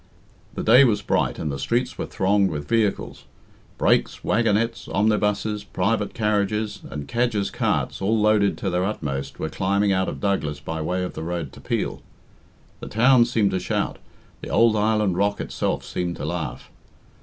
The day was bright, and the streets were thronged with vehicles. Brakes, wagonettes, omnibuses, private carriages, and cadger's carts all loaded to their utmost, were climbing out of Douglas by way of the road to Peel. The town seemed to shout; the old island rock itself seemed to laugh.